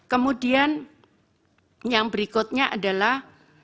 kemudian yang berikutnya adalah